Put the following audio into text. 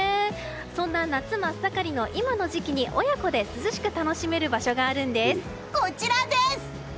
そんな夏真っ盛りの今の時期に親子で涼しく楽しめる場所があるんです。